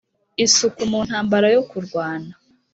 isuku mu ntambara yo kurwana!